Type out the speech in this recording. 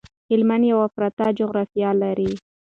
هلمند یو پراته جغرافيه لري